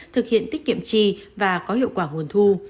thực hiện tích kiệm trì và có hiệu quả nguồn thu